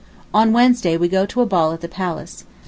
On Wednesday we go to a ball at the Palace.